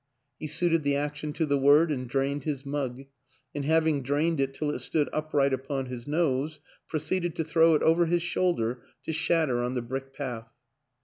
He suited the action to the word and drained his mug; and having drained it till it stood up right upon his nose, proceeded to throw it over his shoulder to shatter on the brick path.